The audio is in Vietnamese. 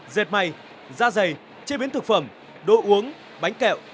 dệt may da dày chế biến thực phẩm đồ uống bánh kẹo